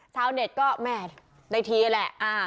ชาวเน็ตก็แหมได้ทีแหละอ่า